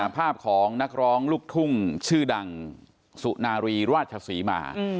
ภาพของนักร้องลูกทุ่งชื่อดังสุนารีราชศรีมา